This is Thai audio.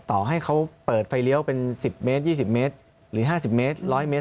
ต่อให้เขาเปิดไฟเรียวเป็นสิบเมตรยี่สิบเมตรหรือห้าสิบเมตรร้อยเมตร